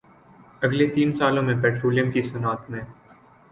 اگلے تین سالوں میں پٹرولیم کی صنعت میں